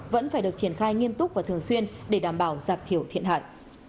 vẫn phải được triển khai nghiêm túc và thường xuyên để đảm bảo giảm thiểu thiện hạn